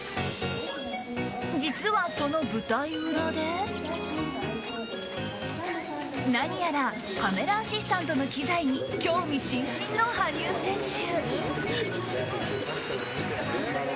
実は、その舞台裏で何やらカメラアシスタントの機材に興味津々の羽生選手。